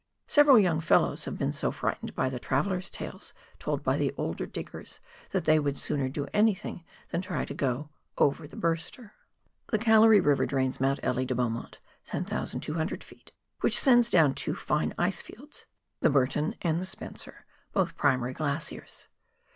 Several young fellows have been so frightened by the travellers' tales told by the older diggers, that they would sooner do anything than try to " go over the Burster." The Gallery River drains Mount Elie de Beaumont (10,200 ft.), which sends down two fine ice fields, the Burton and WAIHO RIVER THE HIGH COUNTRY. 77 Spencer, both primary glaciers.